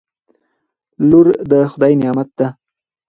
لور دخدای نعمت ده